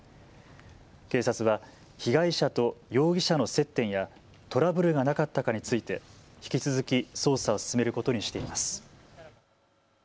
警察は被害者と容疑者の接点やトラブルがなかったかについて引き続き捜査を進めることにしています。